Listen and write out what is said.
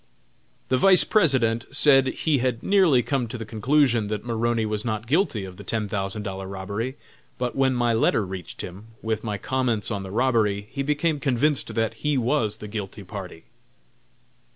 The Vice President said he had nearly come to the conclusion that Maroney was not guilty of the ten thousand dollar robbery; but when my letter reached him, with my comments on the robbery, he became convinced that he was the guilty party.